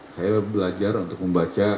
saya belajar untuk membaca